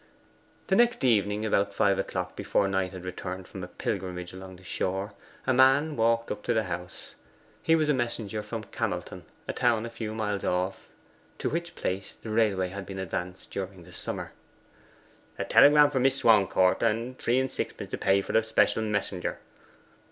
The next evening, about five o'clock, before Knight had returned from a pilgrimage along the shore, a man walked up to the house. He was a messenger from Camelton, a town a few miles off, to which place the railway had been advanced during the summer. 'A telegram for Miss Swancourt, and three and sixpence to pay for the special messenger.